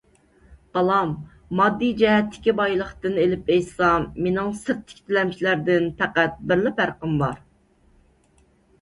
بالام، ماددىي جەھەتتىكى بايلىقتىن ئېلىپ ئېيتسام، مېنىڭ سىرتتىكى تىلەمچىلەردىن پەقەت بىرلا پەرقىم بار.